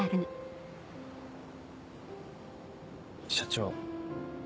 社長。